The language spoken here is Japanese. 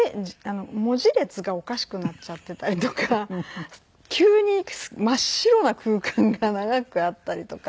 文字列がおかしくなっちゃってたりとか急に真っ白な空間が長くあったりとか。